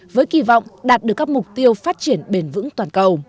với kỳ vọng đạt được các mục tiêu phát triển bền vững toàn cầu